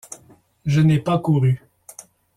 Je n'ai pas couru.